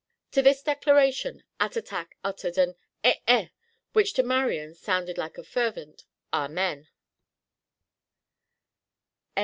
To this declaration Attatak uttered an "Eh eh," which to Marian sounded like a fervent "Amen!"